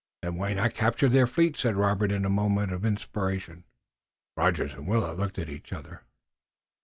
"Then why not capture their fleet?" said Robert in a moment of inspiration. Rogers and Willet looked at each other.